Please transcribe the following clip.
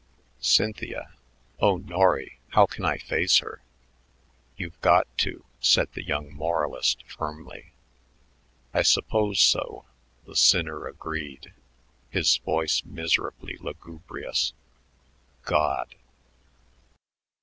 "Cynthia! Oh, Norry, how can I face her?" "You've got to," said the young moralist firmly. "I suppose so," the sinner agreed, his voice miserably lugubrious. "God!"